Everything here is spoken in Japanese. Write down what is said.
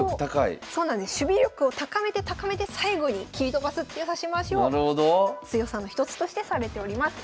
守備力を高めて高めて最後に切り飛ばすっていう指し回しを強さの一つとしてされております。